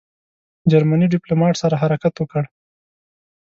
جرمني ډیپلوماټ سره حرکت وکړ.